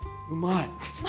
うまい。